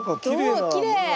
きれい！